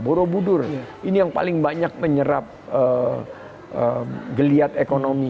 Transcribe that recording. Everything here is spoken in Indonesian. borobudur ini yang paling banyak menyerap geliat ekonomi